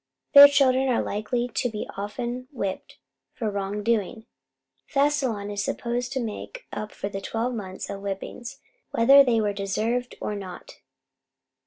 Their children are likely to be often whipped for wrong doing; Fastilevn is supposed to make up for twelve months of whippings, whether they were deserved or not.